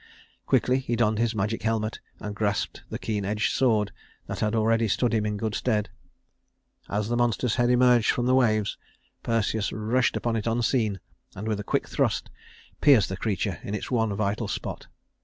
Quickly he donned his magic helmet and grasped the keen edged sword that had already stood him in good stead. As the monster's head emerged from the waves, Perseus rushed upon it unseen, and with a quick thrust pierced the creature in its one vital spot.